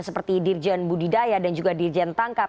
seperti dirjen budidaya dan juga dirjen tangkap